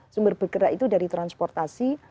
sumber bergerak itu dari transportasi